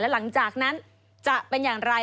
หลังจากนั้นจะเป็นอย่างไร